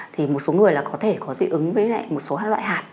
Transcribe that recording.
thì một số người có thể có dị ứng với một số loại hạt